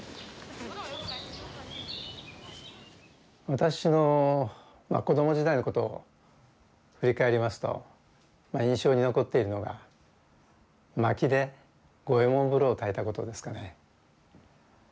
私の子ども時代のことを振り返りますと印象に残っているのが薪で五右衛門風呂をたいたことですかね。